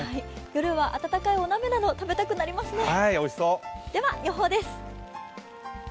夜は温かいお鍋など食べたくなりますね。